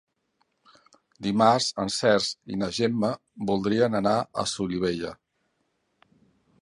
Dimarts en Cesc i na Gemma voldrien anar a Solivella.